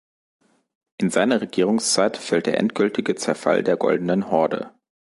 In seine Regierungszeit fällt der endgültige Zerfall der Goldenen Horde.